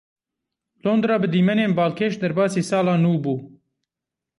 Londra bi dîmenên balkêş derbasi sala nû bû.